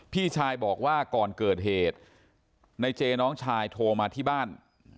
พี่ชายบอกว่าก่อนเกิดเหตุในเจน้องชายโทรมาที่บ้าน